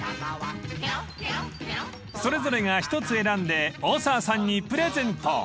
［それぞれが１つ選んで大沢さんにプレゼント］